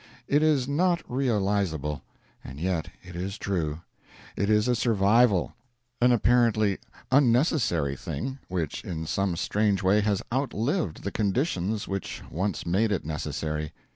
It is not realizable; and yet it is true. It is a survival; an apparently unnecessary thing which in some strange way has outlived the conditions which once made it necessary.